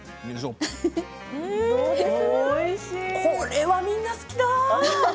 これはみんな好きだ！